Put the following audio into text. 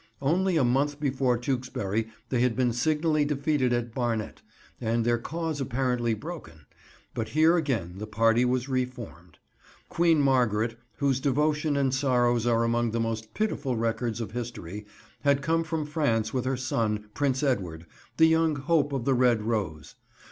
Only a month before Tewkesbury they had been signally defeated at Barnet, and their cause apparently broken; but here again the party was re formed. Queen Margaret, whose devotion and sorrows are among the most pitiful records of history, had come from France with her son, Prince Edward, the young hope of the Red Rose.